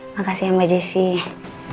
makasih ya mbak jessie